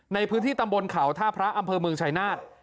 ในพื้นที่ตำบลเขาท่าพระอำเภอเมืองชายนาฏ